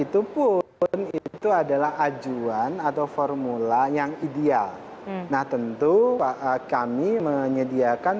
miliar us dollar itu sebut nah itu pun itu adalah ajuan atau formula yang ideal nah tentu kami menyediakan